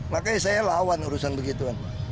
makanya saya lawan urusan begitu